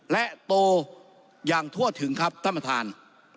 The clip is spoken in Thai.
และโตอย่างทั่วถึงครับท่านประธาน